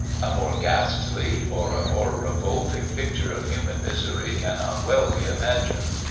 A more ghastly or a more revolting picture of human misery can not well be imagined.